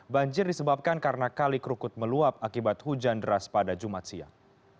banjir disebabkan karena kali kerukut meluap akibat hujan deras pada jumat siang